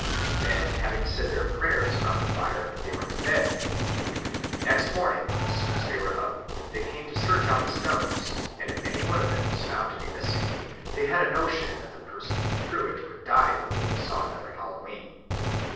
Then having said their prayers round the fire, they went to bed. Next morning, as soon as they were up, they came to search out the stones, and if any one of them was found to be missing, they had a notion that the person who threw it would die before he saw another Hallowe'en.